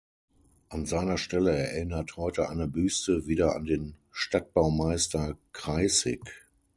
An seiner Stelle erinnert heute eine Büste wieder an den Stadtbaumeister Kreyßig.